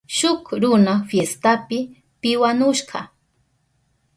Shuk runa fiestapi piwanushka.